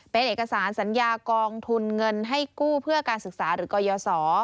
เป็นเอกสารสัญญากองทุนเงินให้กู้เพื่อการศึกษาหรือกยศ